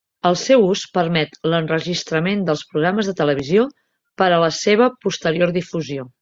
El seu ús permet l'enregistrament dels programes de televisió per a la seva posterior difusió.